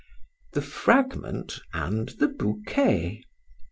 THE FRAGMENT, AND THE BOUQUET.